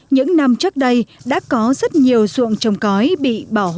những năm trước đây đã có rất nhiều ruộng trồng cõi